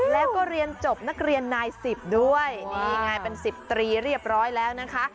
แล้วก็เรียนจบนักเรียนนายสิบด้วยนี่ไงเป็น๑๐ตรีเรียบร้อยแล้วนะคะ